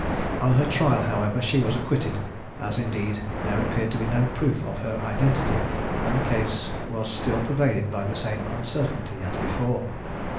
On her trial, however, she was acquitted, as indeed there appeared to be no proof of her identity, and the case was still pervaded by the same uncertainty as before.